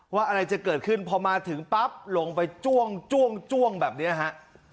อะไรจะเกิดขึ้นพอมาถึงปั๊บลงไปจ้วงจ้วงแบบนี้ฮะ